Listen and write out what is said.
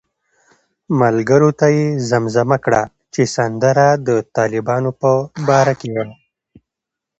ملګرو ته یې زمزمه کړه چې سندره د طالبانو په باره کې وه.